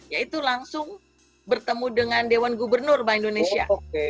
yaitu langsung bertemu dengan dewan gubernur bank indonesia